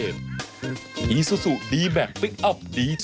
สวัสดีครับ